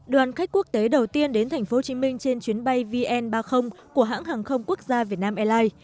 đoàn khách quốc tế đầu tiên đến thành phố hồ chí minh trên chuyến bay vn ba mươi của hãng hàng không quốc gia việt nam airline